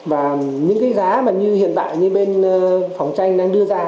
và những cái giá mà như hiện tại như bên phòng tranh đang đưa ra